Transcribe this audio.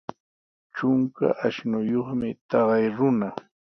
Trunka ashnuyuqmi taqay runa.